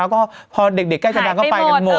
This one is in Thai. แล้วก็พอเด็กใกล้จะดังก็ไปกันหมด